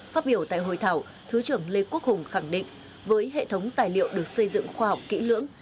phát biểu tại hội thảo thứ trưởng lê quốc hùng khẳng định với hệ thống tài liệu được xây dựng khoa học kỹ lưỡng